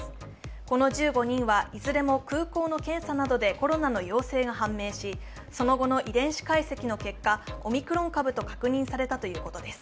この１５人はいずれも空港の検査などでコロナの陽性が判明し、その後の遺伝子解析の結果、オミクロン株と確認されたということです。